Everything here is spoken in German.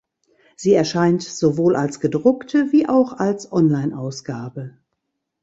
Sie erscheint sowohl als gedruckte wie auch als Online-Ausgabe.